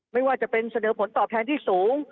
ไม่ว่าจะเป็นเสนอผลตอบแทนที่สูง